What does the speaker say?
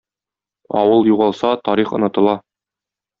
Авыл югалса, тарих онытыла.